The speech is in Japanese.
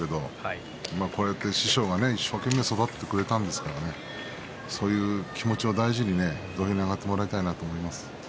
こうして師匠が一生懸命育ててくれたんですからそういう気持ちを大事にして土俵に上がってもらいたいと思います。